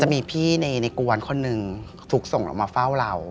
มีพี่ในกวนคนหนึ่งถูกส่งเรามาเฝ้าเรา